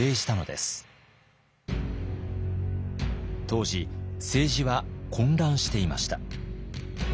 当時政治は混乱していました。